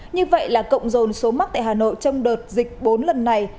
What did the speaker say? như vậy là cộng dồn số mắc tại hà nội trong đợt dịch bốn lần này